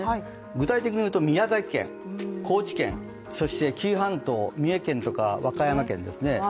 具体的にいうと宮崎県、高知県そして紀伊半島、三重県とか和歌山県ですね。